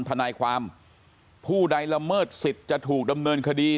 ทนายความผู้ใดละเมิดสิทธิ์จะถูกดำเนินคดี